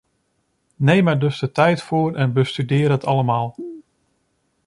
Neem er dus de tijd voor en bestudeer het allemaal.